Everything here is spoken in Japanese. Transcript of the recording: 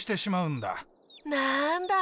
なんだ。